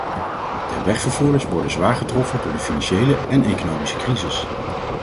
De wegvervoerders worden zwaar getroffen door de financiële en economische crisis.